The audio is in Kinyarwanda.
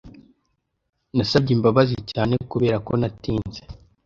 Nasabye imbabazi cyane kuberako natinze.